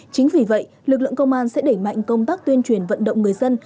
chính vì vậy lực lượng công an sẽ đẩy mạnh công tác tuyên truyền vận động người dân